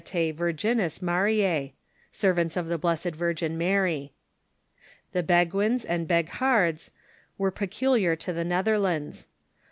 tae virgims Mariae (servants of the IJIessed v ir gin Mary). The Beguins and Beghards were peculiar to the Netherlands.